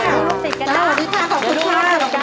โอ้โฮขอบคุณมาก